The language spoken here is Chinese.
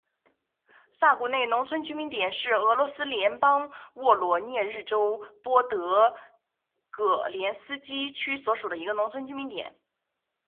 萨古内农村居民点是俄罗斯联邦沃罗涅日州波德戈连斯基区所属的一个农村居民点。